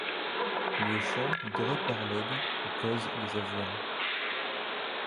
Le champ doré par l'aube où causent les avoines